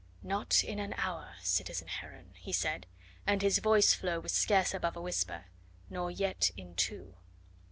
"Not in an hour, citizen Heron," he said, and his voice flow was scarce above a whisper, "nor yet in two."